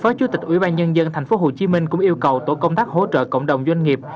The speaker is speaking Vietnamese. phó chủ tịch ủy ban nhân dân tp hcm cũng yêu cầu tổ công tác hỗ trợ cộng đồng doanh nghiệp